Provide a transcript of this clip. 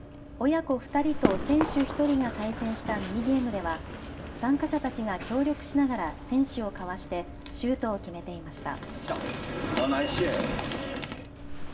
親子２人と選手１人が対戦したミニゲームでは参加者たちが協力しながら選手をかわしてシュートを決めていました。